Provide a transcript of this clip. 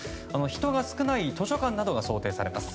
人が少ない図書館などが想定されます。